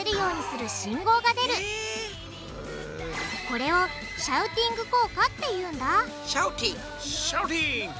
これを「シャウティング効果」って言うんだシャウティング！